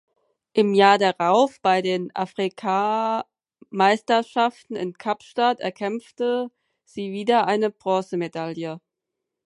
Im Jahr darauf bei den Afrikameisterschaften in Kapstadt erkämpfte sie wieder eine Bronzemedaille.